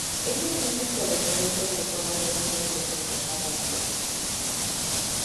Ellos dicen que a los adultos le toma diez minutos encajar las piezas.